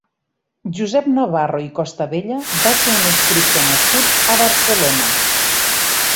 Josep Navarro i Costabella va ser un escriptor nascut a Barcelona.